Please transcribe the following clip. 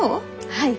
はい。